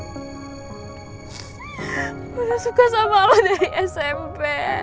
gue udah suka sama lo dari smp